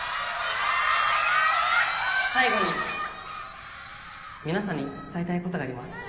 最後に皆さんに伝えたいことがあります。